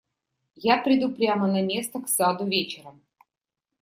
Я приду прямо на место, к саду, вечером.